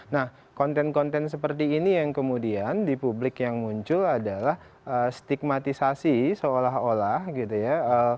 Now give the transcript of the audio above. nah konten konten seperti ini yang kemudian di publik yang muncul adalah stigmatisasi seolah olah gitu ya